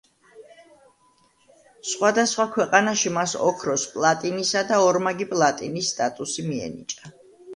სხვადასხვა ქვეყანაში მას ოქროს, პლატინისა და ორმაგი პლატინის სტატუსი მიენიჭა.